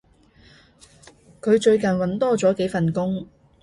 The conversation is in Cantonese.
佢最近搵多咗幾份工